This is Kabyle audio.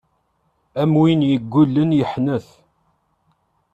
Am win yeggullen yeḥnet.